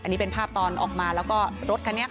อันนี้เป็นภาพตอนออกมาแล้วก็รถคันนี้